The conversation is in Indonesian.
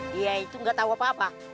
dia itu ga tau apa apa